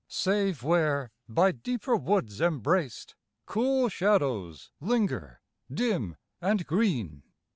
Save where, by deeper woods embraced. Cool shadows linger, dim and green.